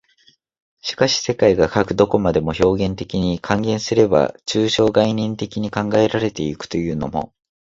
しかし世界がかく何処までも表現的に、換言すれば抽象概念的に考えられて行くというのも、